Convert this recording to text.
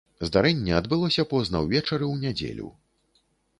Здарэнне адбылося позна ўвечары ў нядзелю.